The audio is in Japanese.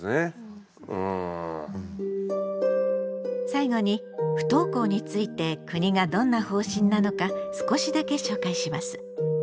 最後に不登校について国がどんな方針なのか少しだけ紹介します。